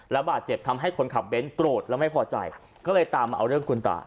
บาดเจ็บทำให้คนขับเบ้นโกรธแล้วไม่พอใจก็เลยตามมาเอาเรื่องคุณตา